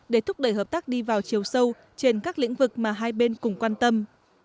để thúc đẩy hợp tác đi vào chiều sâu trên các lĩnh vực mà hai bên cùng quan tâm